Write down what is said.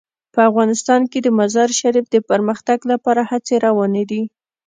په افغانستان کې د مزارشریف د پرمختګ لپاره هڅې روانې دي.